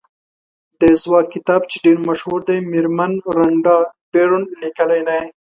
د ځواک کتاب چې ډېر مشهور دی مېرمن رانډا بېرن لیکلی دی.